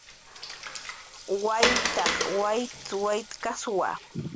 Waytaq waytaykaswa